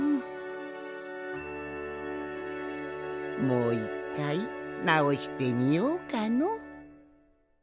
もう１かいなおしてみようかの。